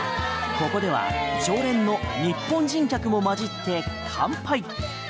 ここでは常連の日本人客も交じって乾杯。